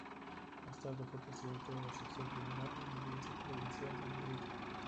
Más tarde fue presidente de la sección primera en la Audiencia Provincial de Madrid.